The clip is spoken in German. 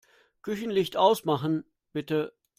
Küchenlicht ausmachen, bitte.